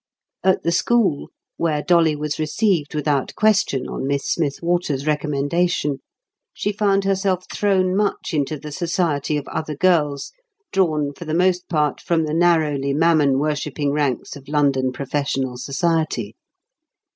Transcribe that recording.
At the school, where Dolly was received without question, on Miss Smith Water's recommendation, she found herself thrown much into the society of other girls, drawn for the most part from the narrowly Mammon worshipping ranks of London professional society.